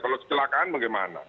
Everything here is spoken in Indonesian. kalau kecelakaan bagaimana